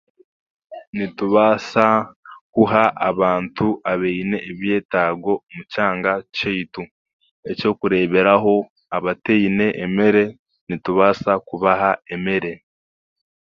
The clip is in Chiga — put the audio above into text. Nitubaasa kuha abantu abaine ebyetaago omu kyanga kyaitu